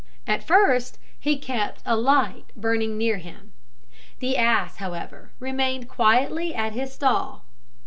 At first he kept a light burning near him. The ass, however, remained quietly at his stall.